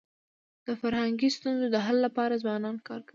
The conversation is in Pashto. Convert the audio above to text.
د فرهنګي ستونزو د حل لپاره ځوانان کار کوي.